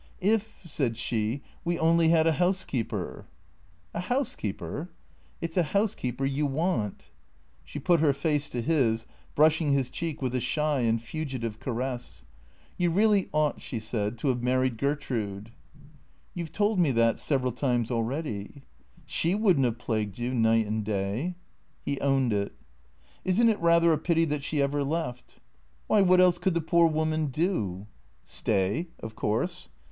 " If," said she, " we only had a housekeeper." " A housekeeper ?"" It 's a housekeeper you want." She put her face to his, brushing his cheek with a shy and fugitive caress. " You really ought," she said, " to have married Gertrude." " You 've told me that several times already." " She would n't have plagued you night and day." He owned it. " Is n't it rather a pity that she ever left? "" Why, what else could the poor woman do ?"" Stay, of course."